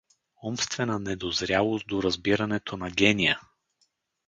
Умствена недозрялост до разбирането на гения!